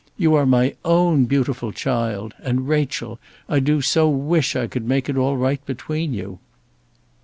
You are my own beautiful child; and, Rachel, I do so wish I could make it all right between you."